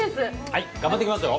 はい、頑張ってきますよ！